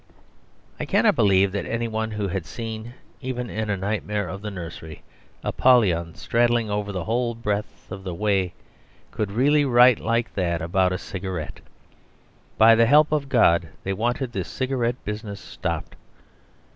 I cannot believe that anyone who had seen, even in a nightmare of the nursery, Apollyon straddling over the whole breadth of the way could really write like that about a cigarette. By the help of God, they wanted this cigarette business stopped.